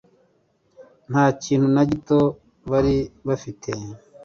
Nta kintu gito bari bafite